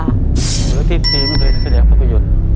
หรือที่พีมก็ใช้ถึงใดเหลือภาพยุทธ